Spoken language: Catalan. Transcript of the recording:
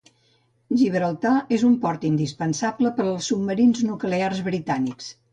Gibraltar és un port indispensable per als submarins nuclears britànics.